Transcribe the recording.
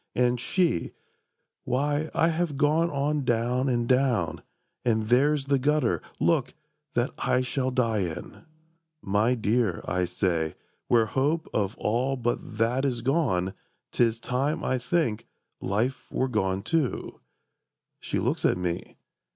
And she—"Why, I have gone on down and down, And there's the gutter, look, that I shall die in!" "My dear," I say, "where hope of all but that Is gone, 'tis time, I think, life were gone too." She looks at me.